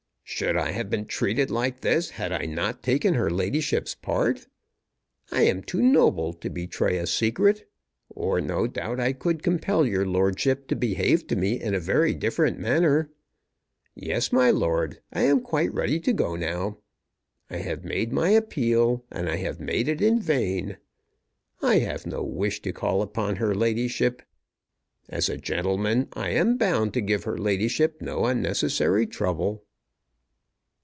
"Should I have been treated like this had I not taken her ladyship's part? I am too noble to betray a secret, or, no doubt, I could compel your lordship to behave to me in a very different manner. Yes, my lord, I am quite ready to go now. I have made my appeal, and I have made it in vain. I have no wish to call upon her ladyship. As a gentleman I am bound to give her ladyship no unnecessary trouble."